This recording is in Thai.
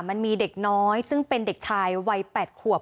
มันมีเด็กน้อยซึ่งเป็นเด็กชายวัย๘ขวบ